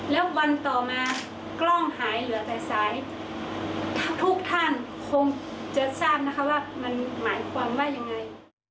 แล้ววันต่อมากล้องหายเหลือแต่สายทุกท่านคงจะทราบนะคะว่ามันหมายความว่ายังไง